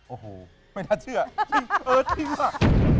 โอ้โหไม่น่าเชื่อไม่เชื่อที่ว่ะ